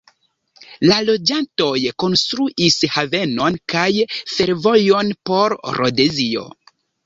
La loĝantoj konstruis havenon kaj fervojon por Rodezio.